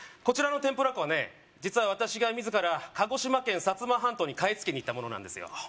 こちらの天ぷら粉はね実は私が自ら鹿児島県薩摩半島に買い付けにいったものなんですよ